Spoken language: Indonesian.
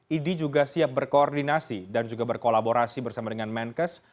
idi juga siap berkoordinasi dan juga berkolaborasi bersama dengan menkes